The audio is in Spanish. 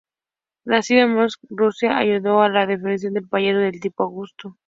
Nacido en Moscú, Rusia, ayudó a la redefinición del payaso de tipo Augusto.